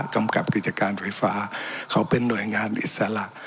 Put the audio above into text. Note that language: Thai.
กำกับกิจการไฟฟ้าเขาเป็นหน่วยงานอิสระ